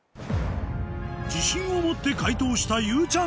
自信を持って解答したゆうちゃみ